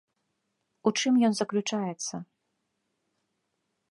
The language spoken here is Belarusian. У чым ён заключаецца?